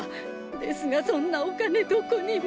ですがそんなお金どこにも！